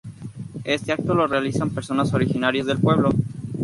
Este acto lo realizan personas originarias del pueblo.